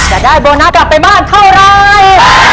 จะได้โบนัสกลับไปบ้านเท่าไร